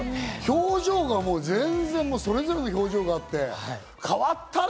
表情が全然、それぞれの表情があって、変わったね！